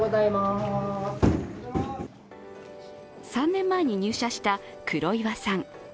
３年前に入社した黒岩さん。